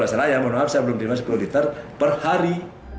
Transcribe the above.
saya belum menerima sepuluh liter per hari